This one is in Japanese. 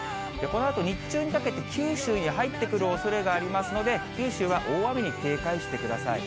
このあと日中にかけて、九州に入ってくるおそれがありますので、九州は大雨に警戒してください。